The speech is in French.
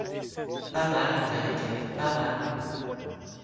Pas mal, en vérité, pas mal!